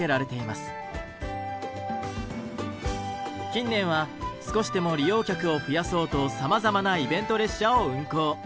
近年は少しでも利用客を増やそうとさまざまなイベント列車を運行。